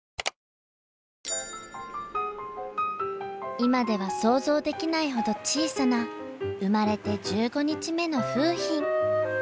今では想像できないほど小さな生まれて１５日目の楓浜。